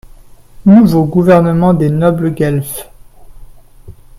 - Nouveau gouvernement des nobles guelfes.